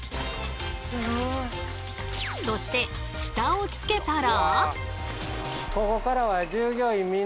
そしてフタを付けたら。